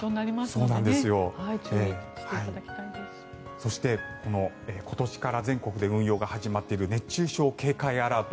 そして、今年から全国で運用が始まっている熱中症警戒アラート。